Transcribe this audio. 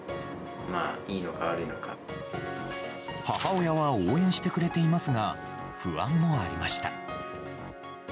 母親は応援してくれていますが不安もありました。